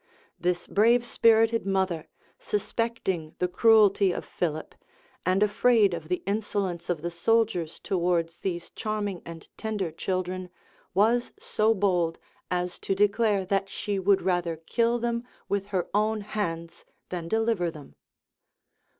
This brave spirited mother, suspecting the cruelty of Philip, and afraid of the insolence of the soldiers towards these charming and tender children was so bold as to declare hat she would rather kill them with her own hands than deliver them.